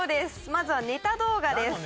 まずはネタ動画です。